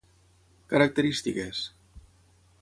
Característiques: